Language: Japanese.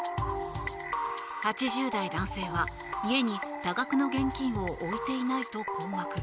８０代男性は、家に多額の現金を置いていないと困惑。